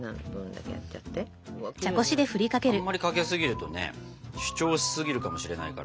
あんまりかけすぎるとね主張しすぎるかもしれないから。